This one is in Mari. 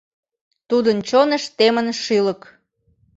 Тудын чоныш темын шӱлык